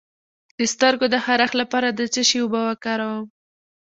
د سترګو د خارښ لپاره د څه شي اوبه وکاروم؟